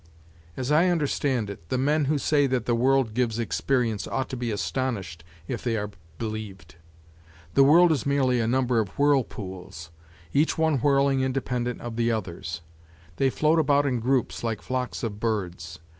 As I understand it, the men who say that the world gives experience ought to be astonished if they are believed. The world is merely a number of whirlpools, each one whirling independent of the others; they float about in groups like flocks of birds.